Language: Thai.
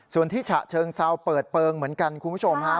ส่วนที่ฉะเชิงเซาเปิดเปลืองเหมือนกันคุณผู้ชมฮะ